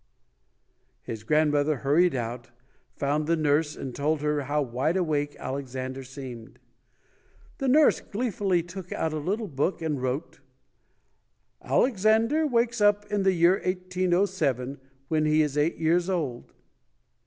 His grandmother hurried out, found the nurse and told her how wide awake Alexander seemed. The nurse gleefully took out a little book and wrote: "Alexander wakes up in the year 1807, when he is eight years old".